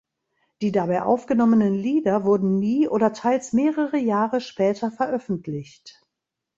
Die dabei aufgenommenen Lieder wurden nie oder teils mehrere Jahre später veröffentlicht.